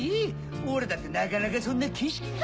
俺だってなかなかそんな景色にゃ。